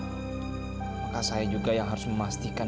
maka saya juga yang harus memastikan